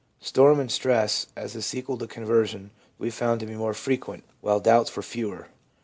Storm and stress as a sequel to conversion we found to be more frequent, while doubts were fewer.